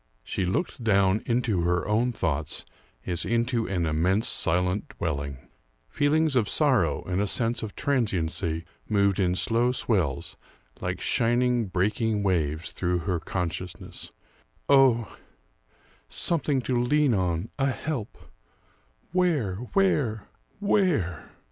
She looked down into her own thoughts as into an immense, silent dwelling. Feelings of sorrow and a sense of transiency moved in slow swells, like shining, breaking waves, through her consciousness. "Oh something to lean on a help where? where? where?"